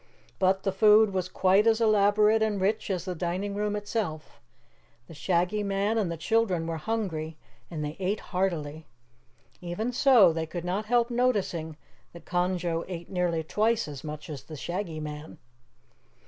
But the food was quite as elaborate and rich as the dining room itself. The Shaggy Man and the children were hungry and they ate heartily. Even so, they could not help noticing that Conjo ate nearly twice as much as the Shaggy Man.